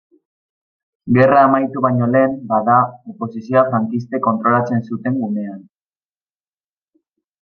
Gerra amaitu baino lehen, bada oposizioa frankistek kontrolatzen zuten gunean.